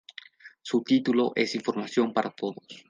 Su título es Información para todos.